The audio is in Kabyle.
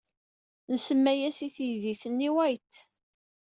Nsemma-as i teydit-nni White.